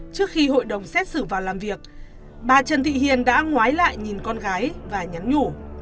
trước khi hội đồng xét xử vào làm việc bà trần thị hiền đã ngói lại nhìn con gái và nhắn nhủ